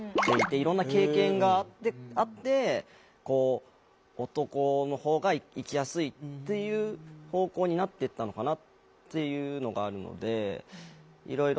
いろんな経験があってこう男の方が生きやすいっていう方向になっていったのかなっていうのがあるのでいろいろ。